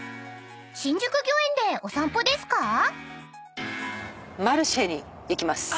［新宿御苑でお散歩ですか？］